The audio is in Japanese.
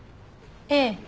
ええ。